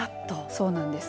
そうなんです。